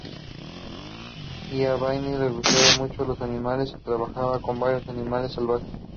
A Aiba le gustan mucho los animales y trabaja con varios animales salvajes.